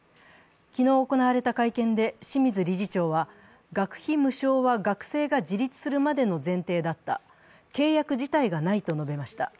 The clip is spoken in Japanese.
昨日行われた会見で清水理事長は学費無償は学生が自立するまでの前提だった契約自体がないと述べました。